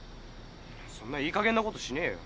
そんないいかげんなことしねえよ。